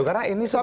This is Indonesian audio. karena ini sudah